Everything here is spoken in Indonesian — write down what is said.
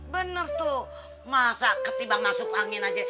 bener tuh masa ketimbang masuk angin aja